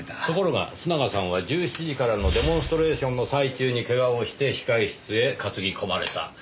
ところが須永さんは１７時からのデモンストレーションの最中にけがをして控室へ担ぎ込まれた。